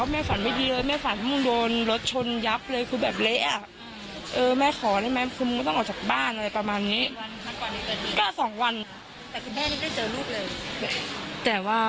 ไม่ได้เจอ